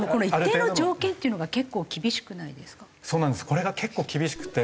これが結構厳しくて。